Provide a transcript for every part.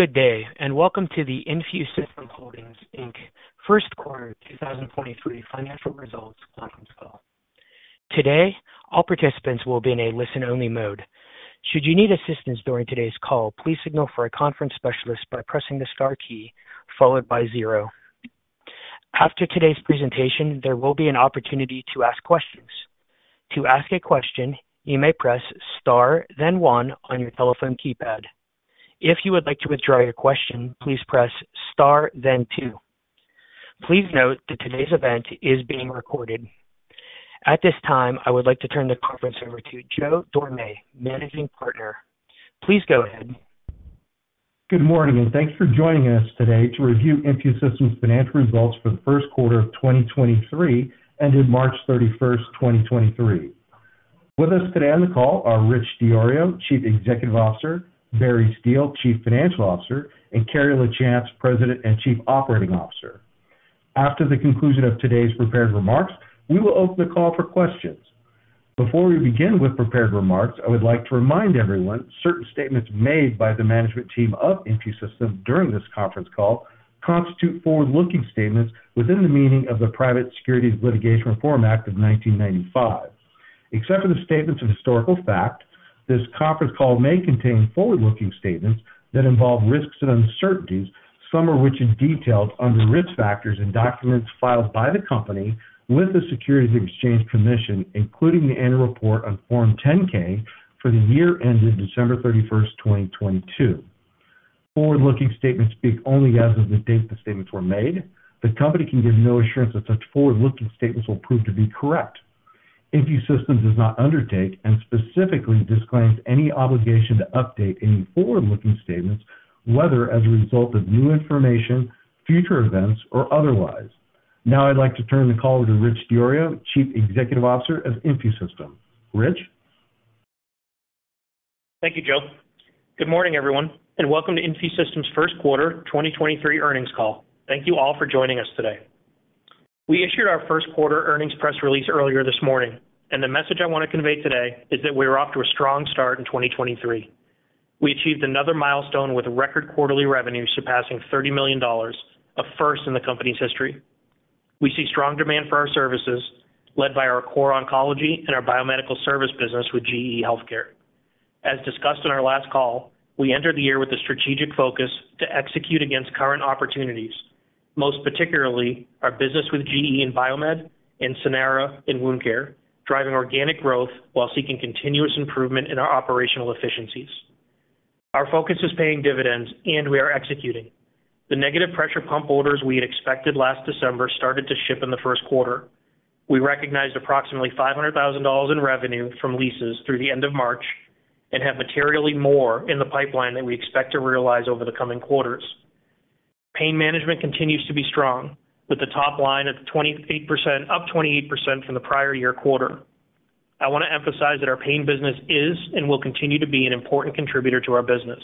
Good day, welcome to the InfuSystem Holdings Inc. First Quarter 2023 Financial Results Conference Call. Today, all participants will be in a listen-only mode. Should you need assistance during today's call, please signal for a conference specialist by pressing the star key followed by zero. After today's presentation, there will be an opportunity to ask questions. To ask a question, you may press star then one on your telephone keypad. If you would like to withdraw your question, please press star then two. Please note that today's event is being recorded. At this time, I would like to turn the conference over to Joe Dorame, Managing Partner. Please go ahead. Good morning, and thanks for joining us today to review InfuSystem's financial results for the first quarter of 2023 ended March 31st, 2023. With us today on the call are Richard DiIorio, Chief Executive Officer, Barry Steele, Chief Financial Officer, and Carrie LaChance, President and Chief Operating Officer. After the conclusion of today's prepared remarks, we will open the call for questions. Before we begin with prepared remarks, I would like to remind everyone, certain statements made by the management team of InfuSystem during this conference call constitute forward-looking statements within the meaning of the Private Securities Litigation Reform Act of 1995. Except for the statements of historical fact, this conference call may contain forward-looking statements that involve risks and uncertainties, some of which is detailed under risk factors and documents filed by the company with the Securities and Exchange Commission, including the annual report on Form 10-K for the year ended December 31st, 2022. Forward-looking statements speak only as of the date the statements were made. The company can give no assurance that such forward-looking statements will prove to be correct. InfuSystem does not undertake and specifically disclaims any obligation to update any forward-looking statements, whether as a result of new information, future events, or otherwise. I'd like to turn the call to Rich DiIorio, Chief Executive Officer of InfuSystem. Rich. Thank you, Joe. Good morning, everyone, and welcome to InfuSystem's first quarter 2023 earnings call. Thank you all for joining us today. We issued our first quarter earnings press release earlier this morning. The message I wanna convey today is that we're off to a strong start in 2023. We achieved another milestone with record quarterly revenue surpassing $30 million, a first in the company's history. We see strong demand for our services led by our core oncology and our biomedical service business with GE HealthCare. As discussed on our last call, we entered the year with a strategic focus to execute against current opportunities, most particularly our business with GE and biomed and Sanara in wound care, driving organic growth while seeking continuous improvement in our operational efficiencies. Our focus is paying dividends, and we are executing. The negative pressure pump orders we had expected last December started to ship in the first quarter. We recognized approximately $500,000 in revenue from leases through the end of March and have materially more in the pipeline that we expect to realize over the coming quarters. Pain management continues to be strong, with the top line at 28%-- up 28% from the prior year quarter. I wanna emphasize that our pain business is and will continue to be an important contributor to our business.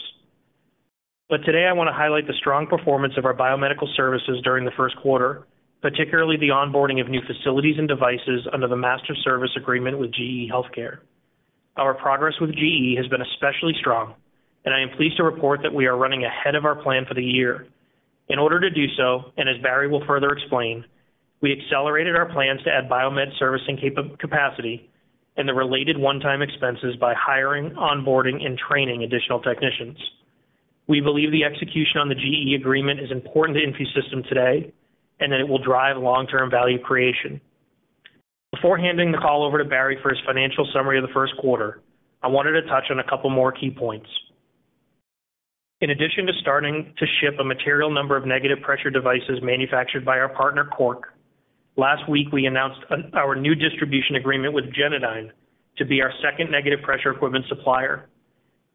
Today, I wanna highlight the strong performance of our biomedical services during the first quarter, particularly the onboarding of new facilities and devices under the Master Service Agreement with GE HealthCare. Our progress with GE has been especially strong, and I am pleased to report that we are running ahead of our plan for the year. In order to do so, and as Barry will further explain, we accelerated our plans to add biomed servicing capacity and the related one-time expenses by hiring, onboarding, and training additional technicians. We believe the execution on the GE agreement is important to InfuSystem today and that it will drive long-term value creation. Before handing the call over to Barry for his financial summary of the first quarter, I wanted to touch on a couple more key points. In addition to starting to ship a material number of negative pressure devices manufactured by our partner, Cork, last week we announced our new distribution agreement with Genadyne to be our second negative pressure equipment supplier.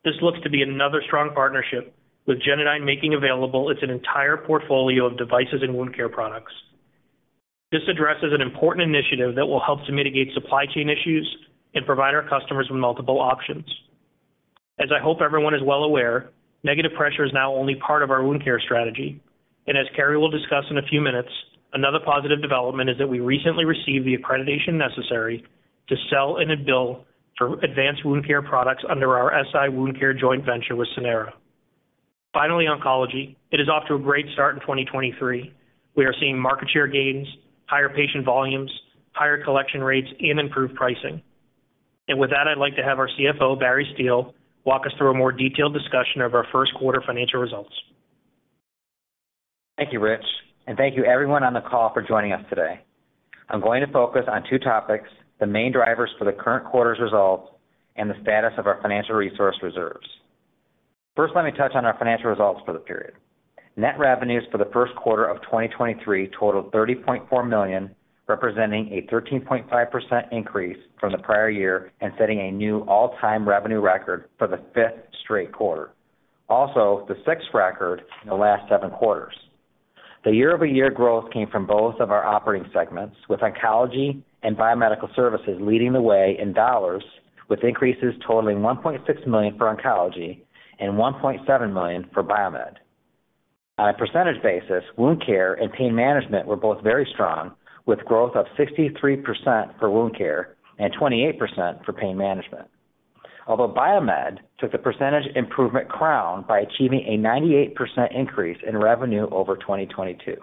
This looks to be another strong partnership, with Genadyne making available its entire portfolio of devices and wound care products. This addresses an important initiative that will help to mitigate supply chain issues and provide our customers with multiple options. As I hope everyone is well aware, negative pressure is now only part of our wound care strategy. As Carrie will discuss in a few minutes, another positive development is that we recently received the accreditation necessary to sell and then bill for advanced wound care products under our SI Wound Care joint venture with Sanara. Finally, oncology. It is off to a great start in 2023. We are seeing market share gains, higher patient volumes, higher collection rates, and improved pricing. With that, I'd like to have our CFO, Barry Steele, walk us through a more detailed discussion of our first quarter financial results. Thank you, Rich, and thank you everyone on the call for joining us today. I'm going to focus on two topics, the main drivers for the current quarter's results and the status of our financial resource reserves. First, let me touch on our financial results for the period. Net revenues for the first quarter of 2023 totaled $30.4 million, representing a 13.5% increase from the prior year and setting a new all-time revenue record for the fifth straight quarter, also the sixth record in the last seven quarters. The year-over-year growth came from both of our operating segments, with oncology and biomedical services leading the way in dollars, with increases totaling $1.6 million for oncology and $1.7 million for biomed. On a percentage basis, wound care and pain management were both very strong, with growth of 63% for wound care and 28% for pain management. Although biomed took the percentage improvement crown by achieving a 98% increase in revenue over 2022.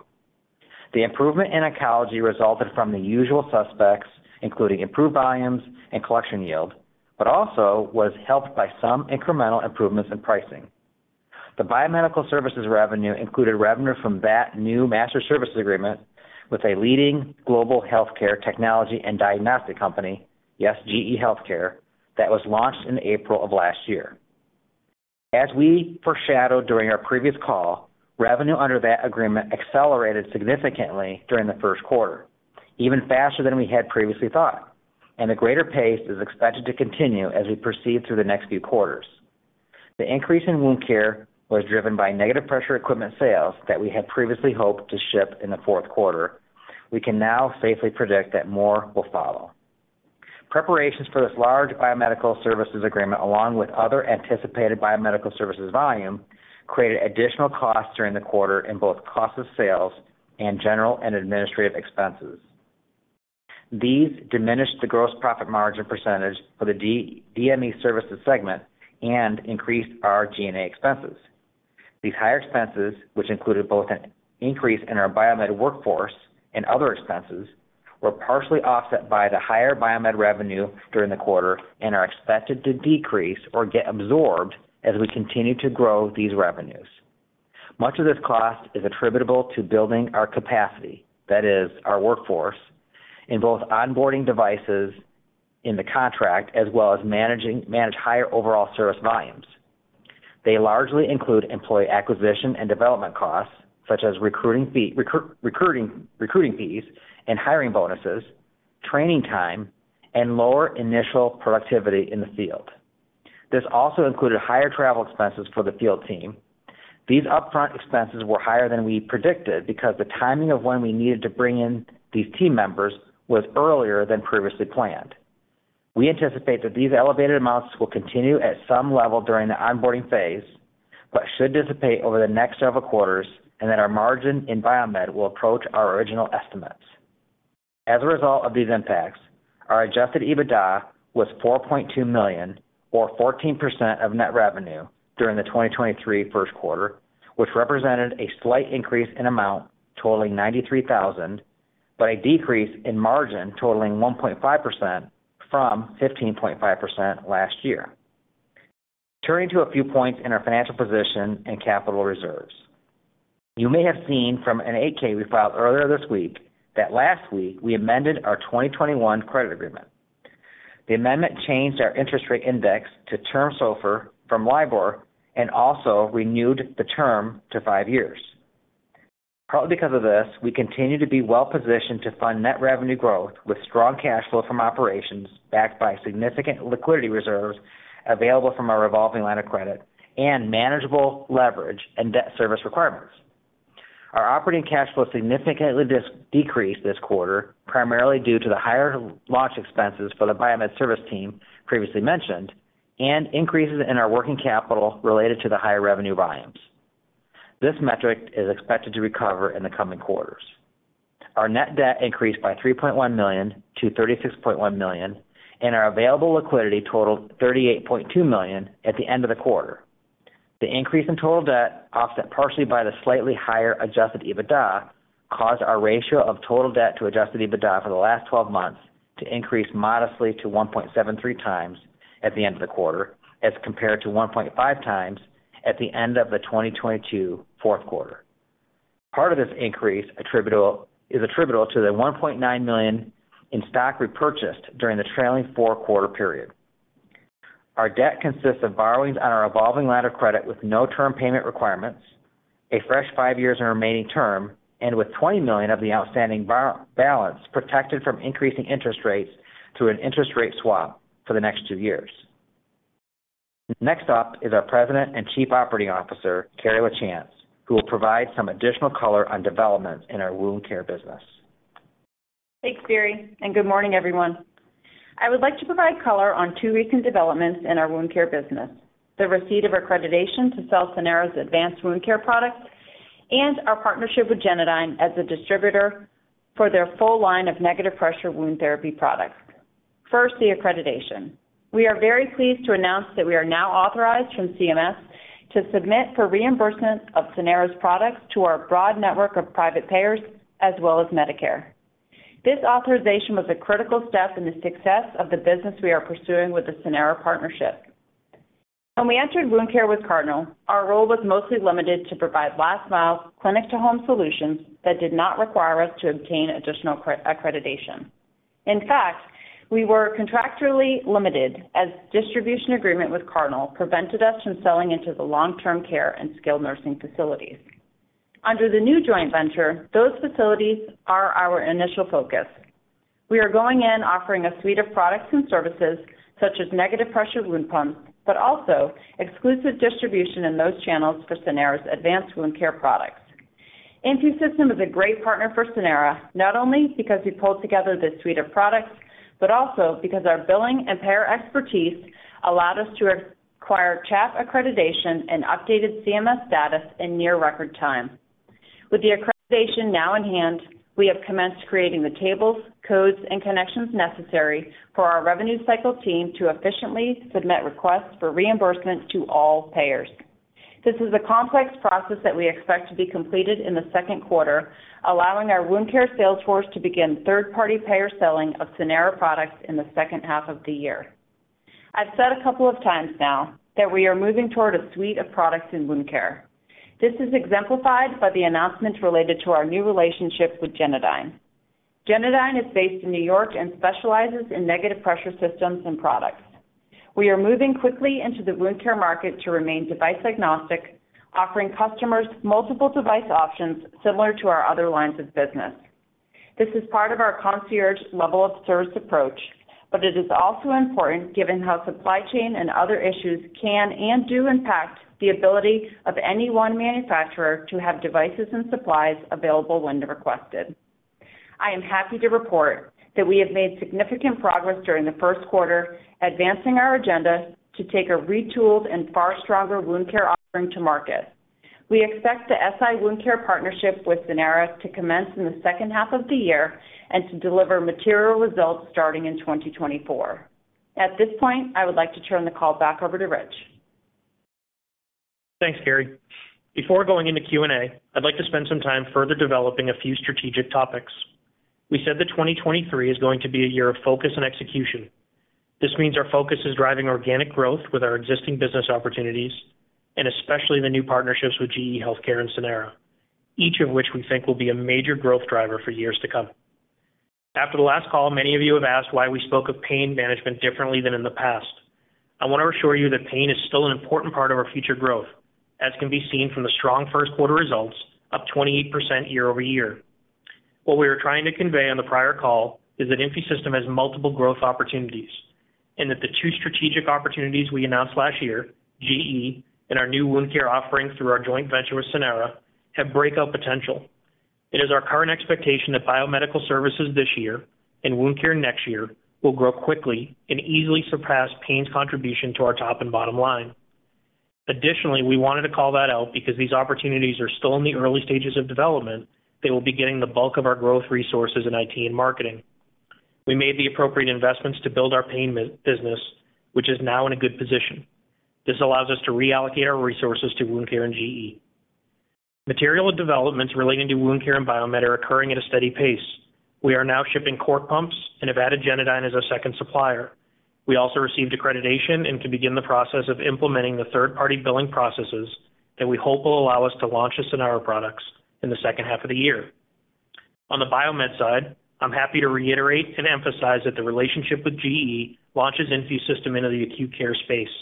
The improvement in oncology resulted from the usual suspects, including improved volumes and collection yield, but also was helped by some incremental improvements in pricing. The biomedical services revenue included revenue from that new Master Service Agreement with a leading global healthcare technology and diagnostic company, yes, GE HealthCare, that was launched in April of last year. As we foreshadowed during our previous call, revenue under that agreement accelerated significantly during the first quarter, even faster than we had previously thought. A greater pace is expected to continue as we proceed through the next few quarters. The increase in wound care was driven by negative pressure equipment sales that we had previously hoped to ship in the fourth quarter. We can now safely predict that more will follow. Preparations for this large biomedical services agreement, along with other anticipated biomedical services volume, created additional costs during the quarter in both cost of sales and General and Administrative expenses. These diminished the gross profit margin percentage for the DME services segment and increased our G&A expenses. These higher expenses, which included both an increase in our biomed workforce and other expenses, were partially offset by the higher biomed revenue during the quarter and are expected to decrease or get absorbed as we continue to grow these revenues. Much of this cost is attributable to building our capacity, that is our workforce, in both onboarding devices in the contract as well as manage higher overall service volumes. They largely include employee acquisition and development costs, such as recruiting fees and hiring bonuses, training time, and lower initial productivity in the field. This also included higher travel expenses for the field team. These upfront expenses were higher than we predicted because the timing of when we needed to bring in these team members was earlier than previously planned. We anticipate that these elevated amounts will continue at some level during the onboarding phase, should dissipate over the next several quarters and that our margin in biomed will approach our original estimates. As a result of these impacts, our Adjusted EBITDA was $4.2 million or 14% of net revenue during the 2023 first quarter, which represented a slight increase in amount totaling $93,000, a decrease in margin totaling 1.5% from 15.5% last year. Turning to a few points in our financial position and capital reserves. You may have seen from a Form 8-K we filed earlier this week that last week we amended our 2021 Credit Agreement. The amendment changed our interest rate index to term SOFR from LIBOR and also renewed the term to five years. Partly because of this, we continue to be well positioned to fund net revenue growth with strong cash flow from operations backed by significant liquidity reserves available from our revolving line of credit and manageable leverage and debt service requirements. Our operating cash flow significantly decreased this quarter, primarily due to the higher launch expenses for the biomed service team previously mentioned and increases in our working capital related to the higher revenue volumes. This metric is expected to recover in the coming quarters. Our net debt increased by $3.1 million-$36.1 million, and our available liquidity totaled $38.2 million at the end of the quarter. The increase in total debt, offset partially by the slightly higher Adjusted EBITDA, caused our ratio of total debt to Adjusted EBITDA for the last 12 months to increase modestly to 1.73x at the end of the quarter as compared to 1.5x at the end of the 2022 fourth quarter. Part of this increase is attributable to the $1.9 million in stock repurchased during the trailing fourth quarter period. Our debt consists of borrowings on our revolving line of credit with no term payment requirements, a fresh five years in remaining term, and with $20 million of the outstanding balance protected from increasing interest rates through an interest rate swap for the next two years. Next up is our President and Chief Operating Officer, Carrie LaChance, who will provide some additional color on developments in our wound care business. Thanks, Barry. Good morning, everyone. I would like to provide color on two recent developments in our wound care business: the receipt of accreditation to sell Sanara's advanced wound care products and our partnership with Genadyne as a distributor for their full line of negative pressure wound therapy products. First, the accreditation. We are very pleased to announce that we are now authorized from CMS to submit for reimbursement of Sanara's products to our broad network of private payers as well as Medicare. This authorization was a critical step in the success of the business we are pursuing with the Sanara partnership. When we entered wound care with Cardinal, our role was mostly limited to provide last mile clinic to home solutions that did not require us to obtain additional accreditation. In fact, we were contractually limited as distribution agreement with Cardinal prevented us from selling into the long-term care and skilled nursing facilities. Under the new joint venture, those facilities are our initial focus. We are going in offering a suite of products and services such as negative pressure wound pumps, but also exclusive distribution in those channels for Sanara's advanced wound care products. InfuSystem is a great partner for Sanara, not only because we pulled together this suite of products, but also because our billing and payer expertise allowed us to acquire CHAP accreditation and updated CMS status in near record time. With the accreditation now in hand, we have commenced creating the tables, codes, and connections necessary for our revenue cycle team to efficiently submit requests for reimbursement to all payers. This is a complex process that we expect to be completed in the second quarter, allowing our wound care sales force to begin third-party payer selling of Sanara products in the second half of the year. I've said a couple of times now that we are moving toward a suite of products in wound care. This is exemplified by the announcements related to our new relationship with Genadyne. Genadyne is based in New York and specializes in negative pressure systems and products. We are moving quickly into the wound care market to remain device agnostic, offering customers multiple device options similar to our other lines of business. This is part of our concierge level of service approach, but it is also important given how supply chain and other issues can and do impact the ability of any one manufacturer to have devices and supplies available when requested. I am happy to report that we have made significant progress during the first quarter, advancing our agenda to take a retooled and far stronger wound care offering to market. We expect the SI Wound Care partnership with Sanara to commence in the second half of the year and to deliver material results starting in 2024. At this point, I would like to turn the call back over to Rich. Thanks, Carrie. Before going into Q&A, I'd like to spend some time further developing a few strategic topics. We said that 2023 is going to be a year of focus and execution. This means our focus is driving organic growth with our existing business opportunities and especially the new partnerships with GE HealthCare and Sanara, each of which we think will be a major growth driver for years to come. After the last call, many of you have asked why we spoke of pain management differently than in the past. I want to assure you that pain is still an important part of our future growth, as can be seen from the strong first quarter results, up 28% year-over-year. What we were trying to convey on the prior call is that InfuSystem has multiple growth opportunities and that the two strategic opportunities we announced last year, GE and our new wound care offering through our joint venture with Sanara, have breakout potential. It is our current expectation that biomedical services this year and wound care next year will grow quickly and easily surpass pain's contribution to our top and bottom line. We wanted to call that out because these opportunities are still in the early stages of development. They will be getting the bulk of our growth resources in IT and marketing. We made the appropriate investments to build our pain med business, which is now in a good position. This allows us to reallocate our resources to wound care and GE. Material developments relating to wound care and biomed are occurring at a steady pace. We are now shipping core pumps and have added Genadyne as our second supplier. We also received accreditation and can begin the process of implementing the third-party billing processes that we hope will allow us to launch the Sanara products in the second half of the year. On the biomed side, I'm happy to reiterate and emphasize that the relationship with GE launches InfuSystem into the acute care space.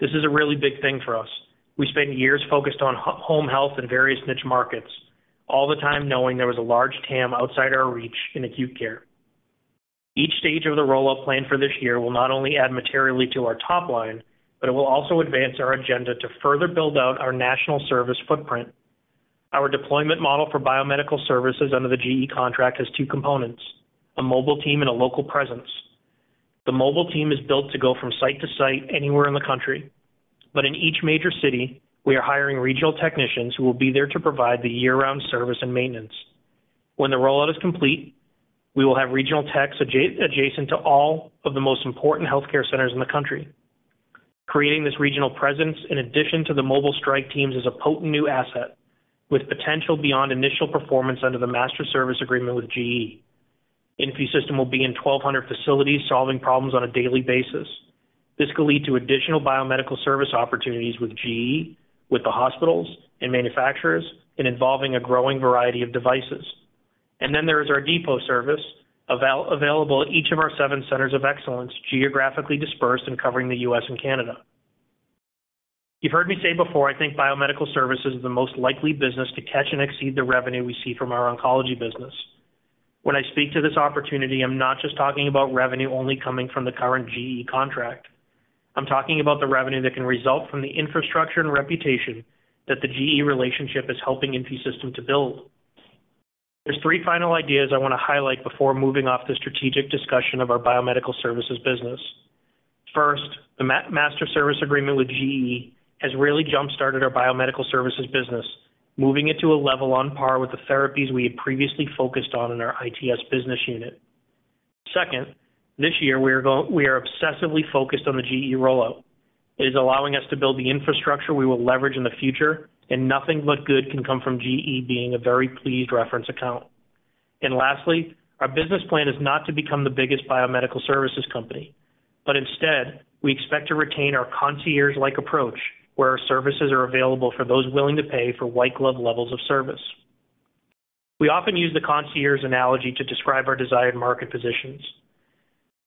This is a really big thing for us. We spent years focused on home health and various niche markets, all the time knowing there was a large TAM outside our reach in acute care. Each stage of the rollout plan for this year will not only add materially to our top line, but it will also advance our agenda to further build out our national service footprint. Our deployment model for biomedical services under the GE contract has two components, a mobile team and a local presence. The mobile team is built to go from site to site anywhere in the country. In each major city, we are hiring regional technicians who will be there to provide the year-round service and maintenance. When the rollout is complete, we will have regional techs adjacent to all of the most important healthcare centers in the country. Creating this regional presence in addition to the mobile strike teams is a potent new asset with potential beyond initial performance under the master service agreement with GE. InfuSystem will be in 1,200 facilities solving problems on a daily basis. This could lead to additional biomedical service opportunities with GE, with the hospitals and manufacturers, and involving a growing variety of devices. There is our depot service available at each of our seven centers of excellence, geographically dispersed and covering the U.S. and Canada. You've heard me say before, I think biomedical services is the most likely business to catch and exceed the revenue we see from our oncology business. When I speak to this opportunity, I'm not just talking about revenue only coming from the current GE contract. I'm talking about the revenue that can result from the infrastructure and reputation that the GE relationship is helping InfuSystem to build. There's three final ideas I want to highlight before moving off the strategic discussion of our biomedical services business. First, the Master Service Agreement with GE has really jumpstarted our biomedical services business, moving it to a level on par with the therapies we had previously focused on in our ITS business unit. Second, this year, we are obsessively focused on the GE rollout. It is allowing us to build the infrastructure we will leverage in the future. Nothing but good can come from GE being a very pleased reference account. Lastly, our business plan is not to become the biggest biomedical services company, but instead, we expect to retain our concierge-like approach, where our services are available for those willing to pay for white glove levels of service. We often use the concierge analogy to describe our desired market positions.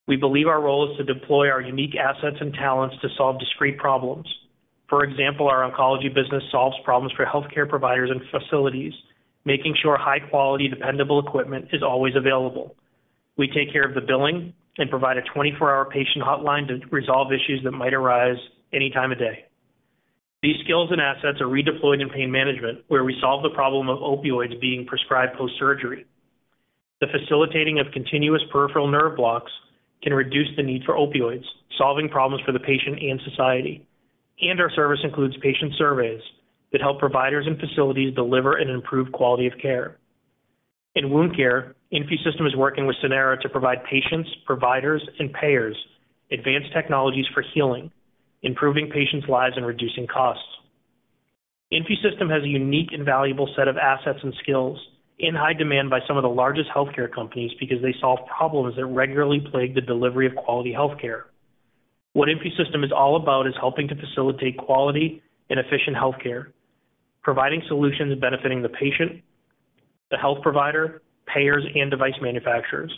We believe our role is to deploy our unique assets and talents to solve discrete problems. For example, our oncology business solves problems for healthcare providers and facilities, making sure high quality, dependable equipment is always available. We take care of the billing and provide a 24-hour patient hotline to resolve issues that might arise any time of day. These skills and assets are redeployed in pain management, where we solve the problem of opioids being prescribed post-surgery. The facilitating of continuous peripheral nerve blocks can reduce the need for opioids, solving problems for the patient and society. Our service includes patient surveys that help providers and facilities deliver and improve quality of care. In wound care, InfuSystem is working with Sanara to provide patients, providers, and payers advanced technologies for healing, improving patients' lives and reducing costs. InfuSystem has a unique and valuable set of assets and skills in high demand by some of the largest healthcare companies because they solve problems that regularly plague the delivery of quality health care. What InfuSystem is all about is helping to facilitate quality and efficient health care, providing solutions benefiting the patient, the health provider, payers, and device manufacturers.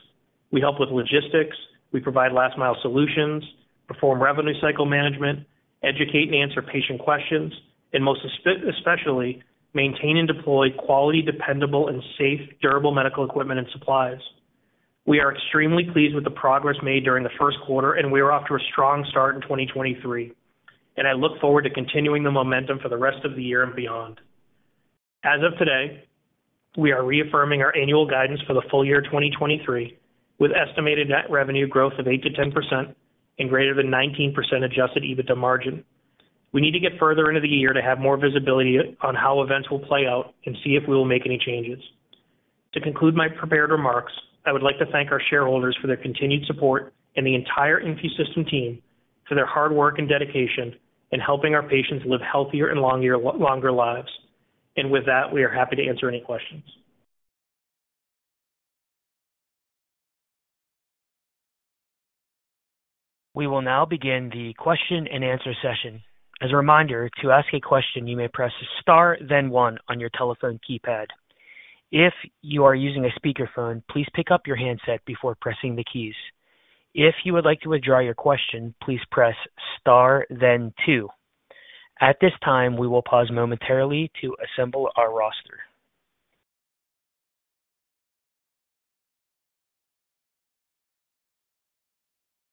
We help with logistics. We provide last mile solutions, perform revenue cycle management, educate and answer patient questions, and most especially, maintain and deploy quality, dependable, and safe durable medical equipment and supplies. We are extremely pleased with the progress made during the first quarter, and we are off to a strong start in 2023. I look forward to continuing the momentum for the rest of the year and beyond. As of today, we are reaffirming our annual guidance for the full year 2023, with estimated net revenue growth of 8%-10% and greater than 19% Adjusted EBITDA margin. We need to get further into the year to have more visibility on how events will play out and see if we will make any changes. To conclude my prepared remarks, I would like to thank our shareholders for their continued support and the entire InfuSystem team for their hard work and dedication in helping our patients live healthier and longer lives. With that, we are happy to answer any questions. We will now begin the question and answer session. As a reminder, to ask a question, you may press Star then one on your telephone keypad. If you are using a speakerphone, please pick up your handset before pressing the keys. If you would like to withdraw your question, please press Star then two. At this time, we will pause momentarily to assemble our roster.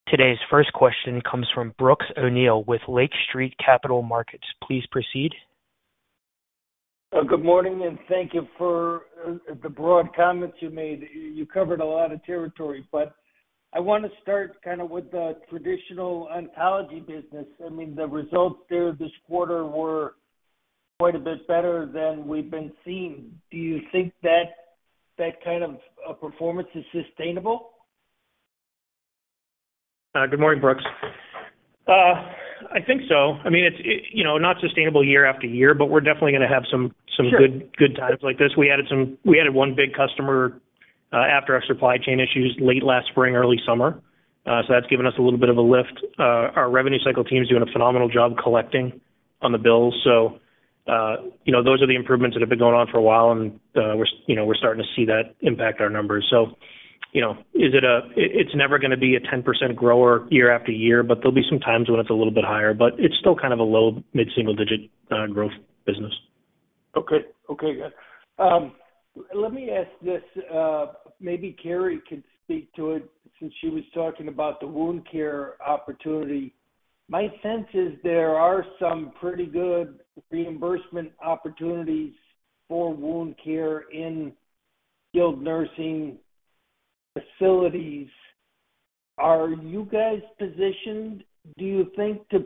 Today's first question comes from Brooks O'Neil with Lake Street Capital Markets. Please proceed. Good morning. Thank you for the broad comments you made. You covered a lot of territory. I wanna start kinda with the traditional oncology business. I mean, the results there this quarter were quite a bit better than we've been seeing. Do you think that that kind of performance is sustainable? Good morning, Brooks. I think so. I mean, it's, you know, not sustainable year after year, but we're definitely gonna have some good times like this. We added one big customer after our supply chain issues late last spring, early summer. That's given us a little bit of a lift. Our revenue cycle team is doing a phenomenal job collecting on the bills. You know, those are the improvements that have been going on for a while, we're starting to see that impact our numbers. You know, it's never gonna be a 10% grower year after year, but there'll be some times when it's a little bit higher, but it's still kind of a low mid-single digit growth business. Okay. Okay, good. Let me ask this. Maybe Carrie can speak to it since she was talking about the wound care opportunity. My sense is there are some pretty good reimbursement opportunities for wound care in skilled nursing facilities. Are you guys positioned, do you think, to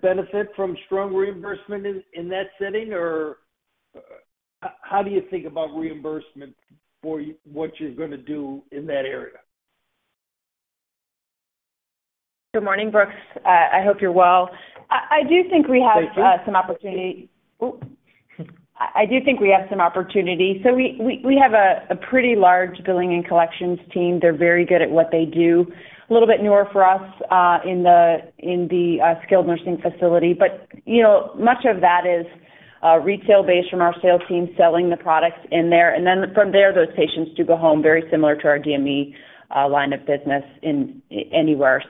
benefit from strong reimbursement in that setting? How do you think about reimbursement for what you're gonna do in that area? Good morning, Brooks. I hope you're well. I do think we have. Thank you. Some opportunity. I do think we have some opportunity. We have a pretty large billing and collections team. They're very good at what they do. A little bit newer for us in the skilled nursing facility. You know, much of that is retail-based from our sales team selling the products in there. From there, those patients do go home very similar to our DME line of business in anywhere.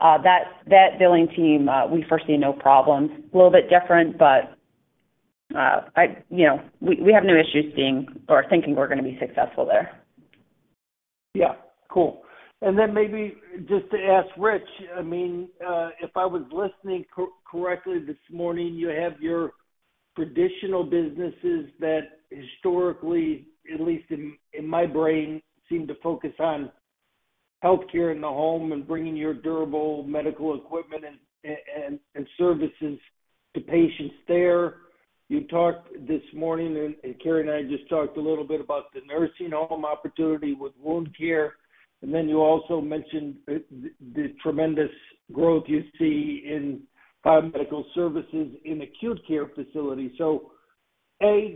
That billing team, we foresee no problems. A little bit different, but, I, you know, we have no issues seeing or thinking we're gonna be successful there. Yeah. Cool. Maybe just to ask Rich, I mean, if I was listening correctly this morning, you have your traditional businesses that historically, at least in my brain, seem to focus on healthcare in the home and bringing your durable medical equipment and services to patients there. You talked this morning, Carrie and I just talked a little bit about the nursing home opportunity with wound care, You also mentioned the tremendous growth you see in biomedical services in acute care facilities. A,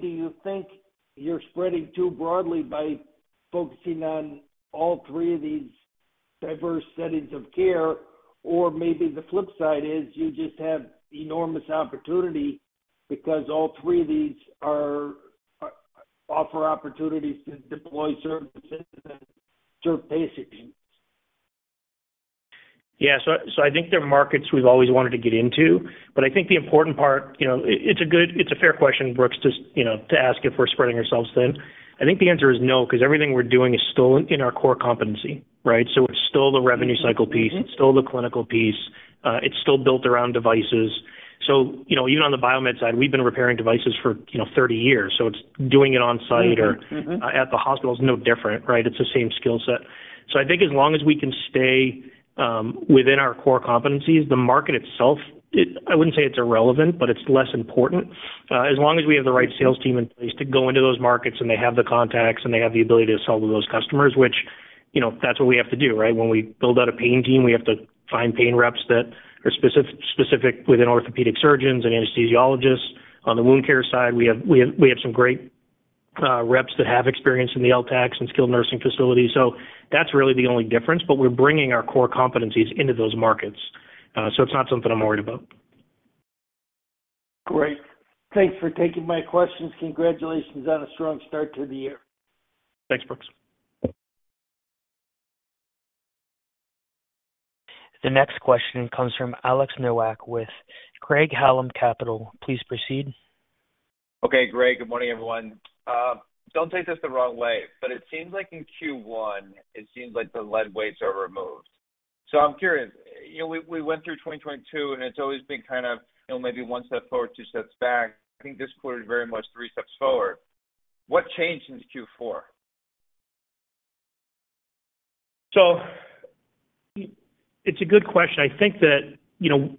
do you think you're spreading too broadly by focusing on all three of these diverse settings of care? Or maybe the flip side is you just have enormous opportunity because all three of these are offer opportunities to deploy services and serve patients. Yeah. I think they're markets we've always wanted to get into. I think the important part, you know, it's a fair question, Brooks, just, you know, to ask if we're spreading ourselves thin. I think the answer is no, because everything we're doing is still in our core competency, right? It's still the revenue cycle piece. It's still the clinical piece. It's still built around devices. You know, even on the biomed side, we've been repairing devices for, you know, 30 years, so it's doing it on-site or at the hospital is no different, right? It's the same skill set. I think as long as we can stay within our core competencies, the market itself, I wouldn't say it's irrelevant, but it's less important. As long as we have the right sales team in place to go into those markets, and they have the contacts, and they have the ability to sell to those customers, which, you know, that's what we have to do, right? When we build out a pain team, we have to find pain reps that are specific with an orthopedic surgeons and anesthesiologists. On the wound care side, we have some great reps that have experience in the LTACs and skilled nursing facilities. That's really the only difference. But we're bringing our core competencies into those markets. It's not something I'm worried about. Great. Thanks for taking my questions. Congratulations on a strong start to the year. Thanks, Brooks. The next question comes from Alex Nowak with Craig-Hallum Capital. Please proceed. Okay, Rich. Good morning, everyone. Don't take this the wrong way, but it seems like in Q1, it seems like the lead weights are removed. I'm curious, you know, we went through 2022, and it's always been kind of, you know, maybe one step forward, two steps back. I think this quarter is very much three steps forward. What changed since Q4? It's a good question. I think that, you know,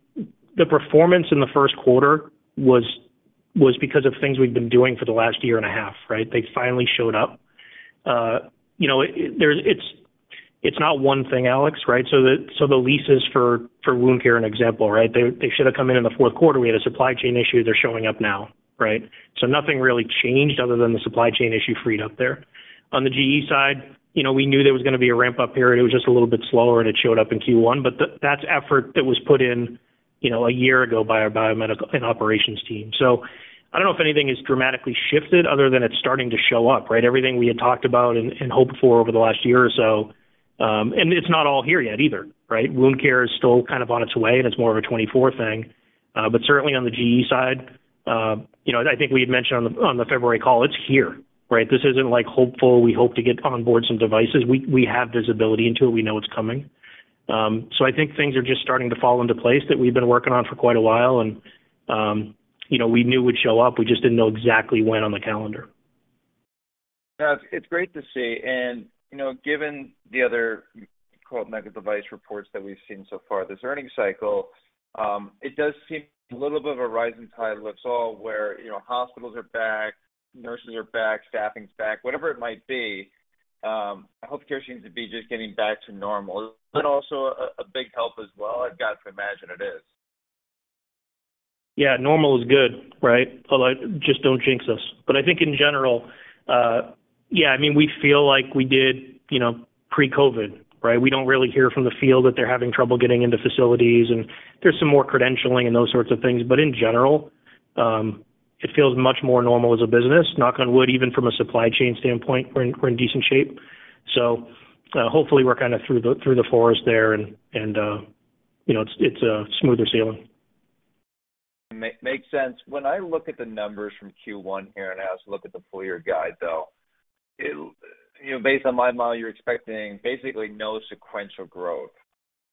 the performance in the first quarter was because of things we've been doing for the last year and a half, right? They finally showed up. You know, it's not one thing, Alex, right? The leases for wound care, an example, right? They should have come in in the fourth quarter. We had a supply chain issue. They're showing up now, right? Nothing really changed other than the supply chain issue freed up there. On the GE side, you know, we knew there was gonna be a ramp-up period. It was just a little bit slower, and it showed up in Q1. That's effort that was put in, you know, a year ago by our biomedical and operations team. I don't know if anything has dramatically shifted other than it's starting to show up, right? Everything we had talked about and hoped for over the last year or so. It's not all here yet either, right? wound care is still kind of on its way, and it's more of a 24 thing. Certainly on the GE side, you know, I think we had mentioned on the February call, it's here, right? This isn't like hopeful. We hope to get on board some devices. We have visibility into it. We know it's coming. I think things are just starting to fall into place that we've been working on for quite a while, and, you know, we knew would show up. We just didn't know exactly when on the calendar. Yeah. It's great to see. You know, given the other quote mega device reports that we've seen so far this earnings cycle, it does seem a little bit of a rising tide lifts all where, you know, hospitals are back, nurses are back, staffing's back, whatever it might be. Healthcare seems to be just getting back to normal. Is it also a big help as well? I've got to imagine it is. Yeah, normal is good, right? Although just don't jinx us. I think in general, yeah, I mean, we feel like we did, you know, pre-COVID, right? We don't really hear from the field that they're having trouble getting into facilities, and there's some more credentialing and those sorts of things. In general, it feels much more normal as a business, knock on wood, even from a supply chain standpoint, we're in decent shape. Hopefully we're kind of through the forest there and, you know, it's a smoother sailing. Makes sense. When I look at the numbers from Q1 here, and I also look at the full year guide, though, you know, based on my model, you're expecting basically no sequential growth.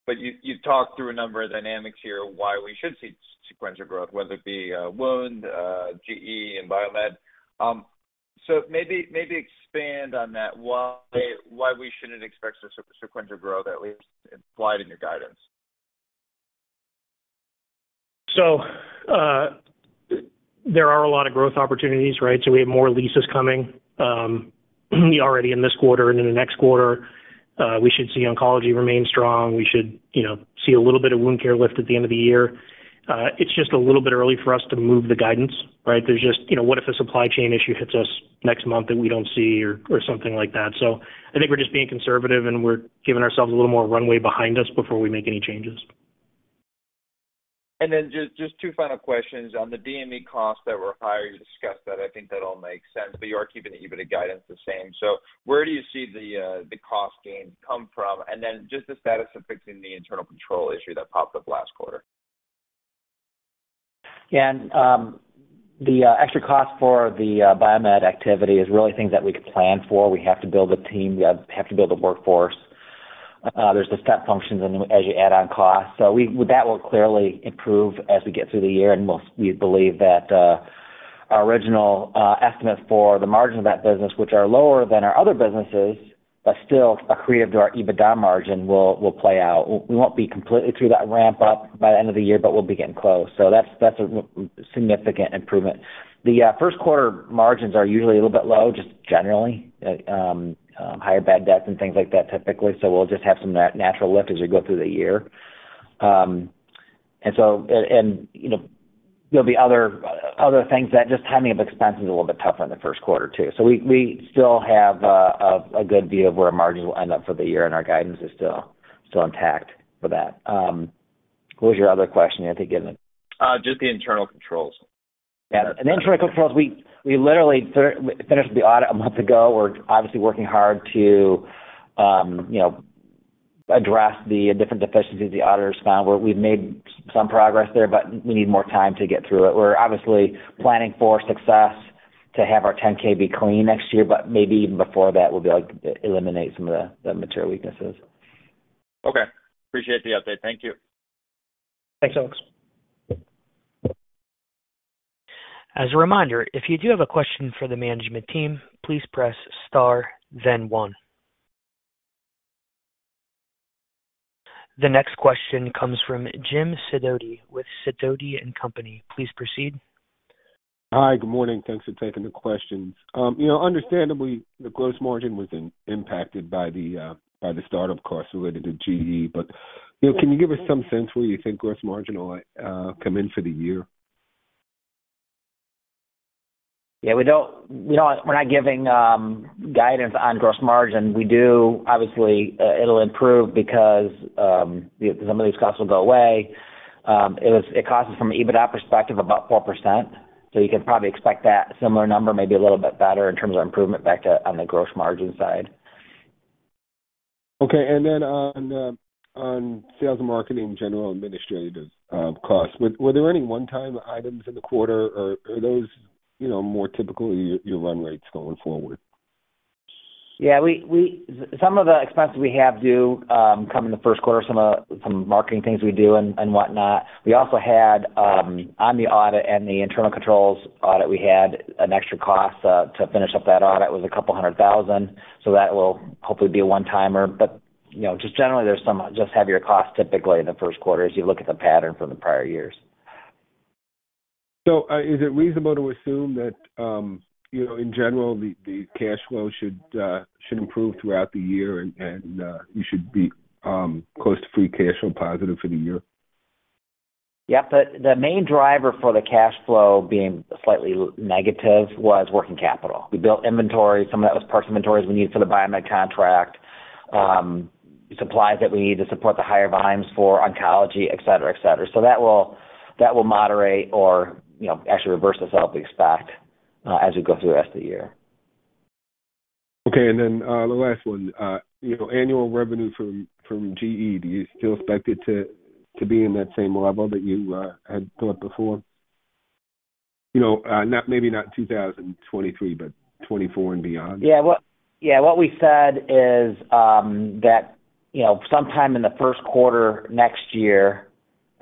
You've talked through a number of dynamics here why we should see sequential growth, whether it be, wound, GE and biomed. Maybe expand on that, why we shouldn't expect sequential growth, at least implied in your guidance? There are a lot of growth opportunities, right? We have more leases coming, already in this quarter and in the next quarter. We should see oncology remain strong. We should, you know, see a little bit of wound care lift at the end of the year. It's just a little bit early for us to move the guidance, right? There's just, you know, what if a supply chain issue hits us next month that we don't see or something like that. I think we're just being conservative, and we're giving ourselves a little more runway behind us before we make any changes. Then just two final questions. On the DME costs that were higher, you discussed that. I think that all makes sense, but you are keeping the EBITDA guidance the same. Where do you see the cost gain come from? Then just the status of fixing the internal control issue that popped up last quarter. Yeah. The extra cost for the biomed activity is really things that we could plan for. We have to build a team. We have to build a workforce. There's the step functions and as you add on costs. That will clearly improve as we get through the year. We believe that our original estimate for the margin of that business, which are lower than our other businesses, but still accretive to our EBITDA margin, will play out. We won't be completely through that ramp up by the end of the year, but we'll be getting close. That's a significant improvement. The first quarter margins are usually a little bit low, just generally, higher bad debts and things like that typically. We'll just have some natural lift as we go through the year. You know, there'll be other things that just timing of expenses a little bit tougher in the first quarter too. We still have a good view of where our margin will end up for the year, and our guidance is still intact for that. What was your other question? I think you had given- Just the internal controls. Yeah. The internal controls, we literally finished the audit a month ago. We're obviously working hard to, you know, address the different deficiencies the auditors found. We've made some progress there, but we need more time to get through it. We're obviously planning for success to have our Form 10-K be clean next year, but maybe even before that we'll be able to eliminate some of the material weaknesses. Okay. Appreciate the update. Thank you. Thanks, Alex. As a reminder, if you do have a question for the management team, please press star then one. The next question comes from James Sidoti with Sidoti & Company. Please proceed. Hi. Good morning. Thanks for taking the questions. you know, understandably, the gross margin was impacted by the by the start-up costs related to GE. you know, can you give us some sense where you think gross margin will come in for the year? Yeah, we don't we're not giving guidance on gross margin. We do obviously, it'll improve because some of these costs will go away. It cost us from an EBITDA perspective about 4%, so you could probably expect that similar number, maybe a little bit better in terms of improvement back to on the gross margin side. Okay. Then on sales and marketing, General and Administrative costs, were there any one-time items in the quarter or are those, you know, more typical of your run rates going forward? Yeah. Some of the expenses we have do come in the first quarter, some marketing things we do and whatnot. We also had on the audit and the internal controls audit, we had an extra cost to finish up that audit, was $200,000. That will hopefully be a one-timer. You know, just generally there's some just heavier costs typically in the first quarter as you look at the pattern from the prior years. Is it reasonable to assume that, you know, in general, the cash flow should improve throughout the year and you should be close to free cash flow positive for the year? The main driver for the cash flow being slightly negative was working capital. We built inventory. Some of that was parts inventories we need for the biomed contract, supplies that we need to support the higher volumes for oncology, et cetera, et cetera. That will moderate or, you know, actually reverse itself, we expect, as we go through the rest of the year. Okay. The last one, you know, annual revenue from GE, do you still expect it to be in that same level that you had thought before? You know, maybe not 2023, but 2024 and beyond. Yeah. What we said is, that, you know, sometime in the first quarter next year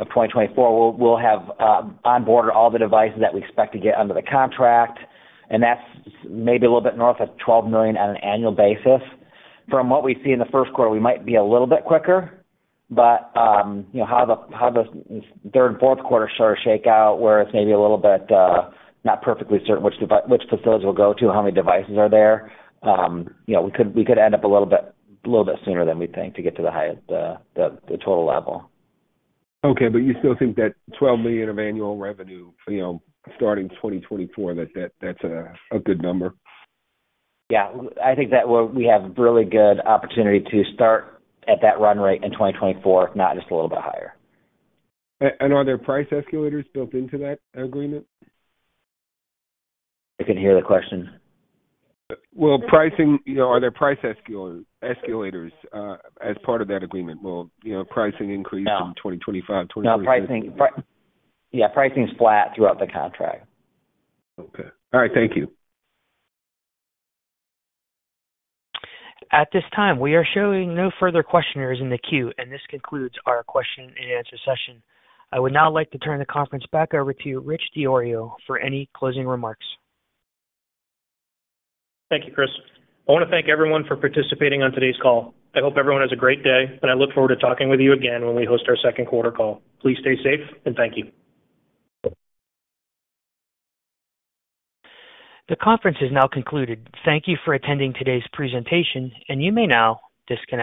of 2024, we'll have onboard all the devices that we expect to get under the contract, and that's maybe a little bit north of $12 million on an annual basis. From what we see in the first quarter, we might be a little bit quicker, but, you know, how the third and fourth quarter sort of shake out, where it's maybe a little bit, not perfectly certain which facilities we'll go to, how many devices are there, you know, we could end up a little bit, a little bit sooner than we think to get to the highest, the total level. Okay, you still think that $12 million of annual revenue, you know, starting 2024, that's a good number? Yeah. I think that we have really good opportunity to start at that run rate in 2024, if not just a little bit higher. Are there price escalators built into that agreement? I can hear the question. You know, are there price escalators as part of that agreement? Will, you know, pricing increase? No. -in 2025, 2026? No. Yeah. Pricing's flat throughout the contract. Okay. All right. Thank you. At this time, we are showing no further questioners in the queue, and this concludes our question and answer session. I would now like to turn the conference back over to Richard DiIorio for any closing remarks. Thank you, Chris. I wanna thank everyone for participating on today's call. I hope everyone has a great day, and I look forward to talking with you again when we host our second quarter call. Please stay safe, and thank you. The conference is now concluded. Thank you for attending today's presentation, and you may now disconnect.